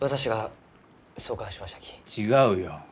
違うよ。